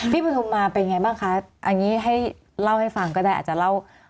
ปฐุมมาเป็นไงบ้างคะอันนี้ให้เล่าให้ฟังก็ได้อาจจะเล่า